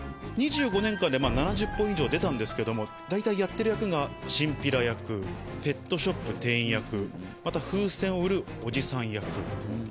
２５年間で７０本以上出たんですけども大体やってる役がチンピラ役ペットショップ店員役また風船を売るおじさん役。